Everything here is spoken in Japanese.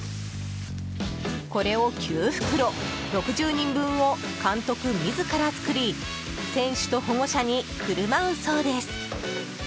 これを９袋６０人分を監督自ら作り選手と保護者に振る舞うそうです。